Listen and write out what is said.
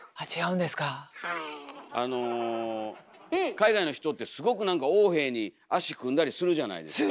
海外の人ってすごく何か横柄に足組んだりするじゃないですか。